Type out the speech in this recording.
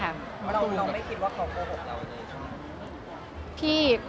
เราไม่คิดว่าเขาโกหกเราเลย